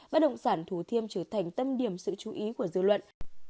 bất động sản thủ thiêm trở thành tâm điểm sự chú ý của dư luận